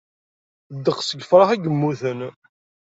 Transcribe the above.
Ddeqs n yifṛax i yemmuten.